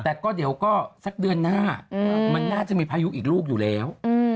แต่ก็เดี๋ยวก็สักเดือนหน้ามันน่าจะมีพายุอีกลูกอยู่แล้ว